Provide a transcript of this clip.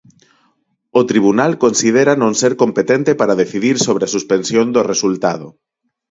O tribunal considera non ser competente para decidir sobre a suspensión do resultado.